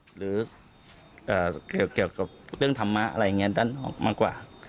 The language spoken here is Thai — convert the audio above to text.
หรือเกี่ยวกับเรื่องธรรมะอะไรอย่างนี้ด้านนอกมากกว่า